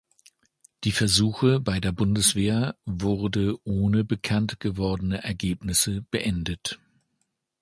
Die Versuche bei der Bundeswehr wurde ohne bekanntgewordene Ergebnisse beendet.